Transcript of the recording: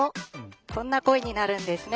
こんな声になるんですね。